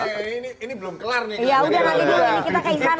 ya udah nanti dulu ini kita ke istana nih